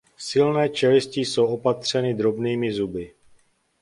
Silné čelisti jsou opatřeny drobnými zuby.